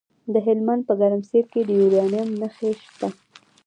د هلمند په ګرمسیر کې د یورانیم نښې شته.